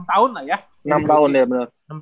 enam tahun ya bener